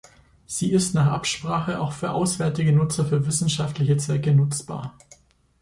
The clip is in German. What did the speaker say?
Sie ist nach Absprache auch für auswärtige Nutzer für wissenschaftliche Zwecke nutzbar.